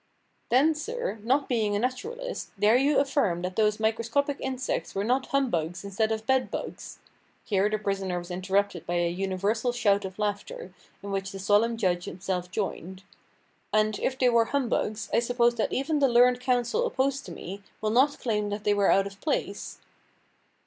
"Then, sir, not being a naturalist, dare you affirm that those microscopic insects were not humbugs instead of bedbugs" (here the prisoner was interrupted by a universal shout of laughter, in which the solemn judge himself joined) "and if they were humbugs, I suppose that even the learned counsel opposed to me, will not claim that they were out of place?"